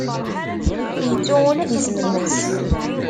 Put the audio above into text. Yettu ula d isem-nnes.